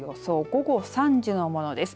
午後３時のものです。